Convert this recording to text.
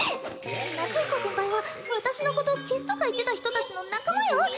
夏彦先輩は私のこと消すとか言ってた人達の仲間よ